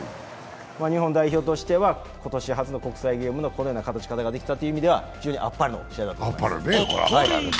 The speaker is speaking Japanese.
日本代表としては今年初の国際ゲームをこのような勝ち方ができたという意味では非常にあっぱれだと思います。